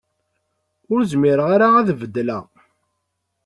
Ur zmireɣ ara ad beddleɣ.